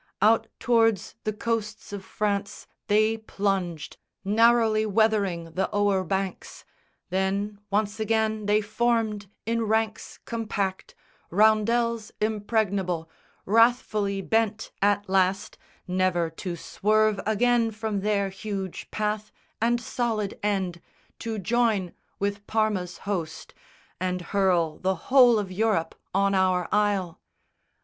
Out tow'rds the coasts of France They plunged, narrowly weathering the Ower banks; Then, once again, they formed in ranks compact, Roundels impregnable, wrathfully bent at last Never to swerve again from their huge path And solid end to join with Parma's host, And hurl the whole of Europe on our isle.